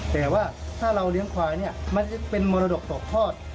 แต่ว่าถ้าเราเลี้ยงควายเนี่ยมันจะเป็นมรดกตกทอด